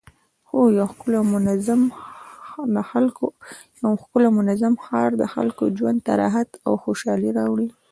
یو ښکلی او منظم ښار د خلکو ژوند ته راحت او خوشحالي راوړي